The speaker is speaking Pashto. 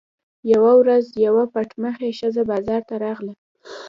یوه ورځ یوه پټ مخې ښځه بازار ته راغله.